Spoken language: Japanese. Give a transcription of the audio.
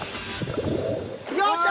よっしゃ！